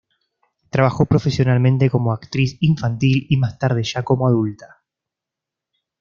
Trabajó profesionalmente como actriz infantil y más tarde ya como adulta.